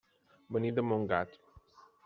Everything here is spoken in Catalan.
Venim de Montgat.